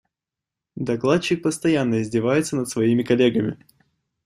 Докладчик постоянно издевается над своими коллегами.